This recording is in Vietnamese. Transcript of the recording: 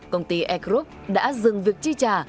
công ty air group đã dừng việc chi trả